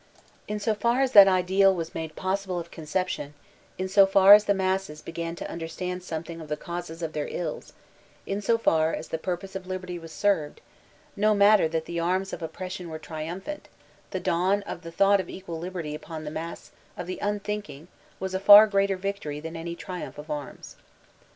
In so far as that ideal was made possible of ooncqjtkm, in so far as the masses began to understand something of the causes of their ills, in so far the purpose of Lib erty was served: no matter that the arms of Oppression were triumphant, the dawn of the thought of equal lib erty upon the mass of the unthinking was a far greater victory than any triumph of arms.